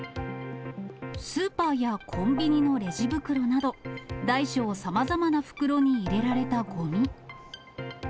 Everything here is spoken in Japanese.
スーパーやコンビニのレジ袋など、大小さまざまな袋に入れられたごみ。